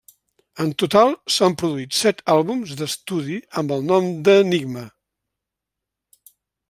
En total, s'han produït set àlbums d'estudi amb el nom d'Enigma.